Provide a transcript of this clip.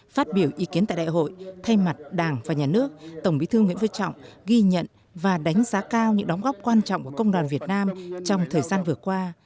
phát biểu ý kiến tại đại hội thay mặt đảng và nhà nước tổng bí thư nguyễn vương trọng ghi nhận và đánh giá cao những đóng góp quan trọng của công đoàn việt nam trong thời gian vừa qua